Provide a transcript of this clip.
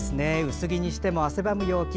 薄着にしても汗ばむ陽気。